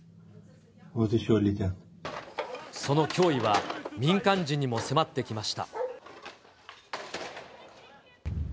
その脅威は民間人にも迫ってきました。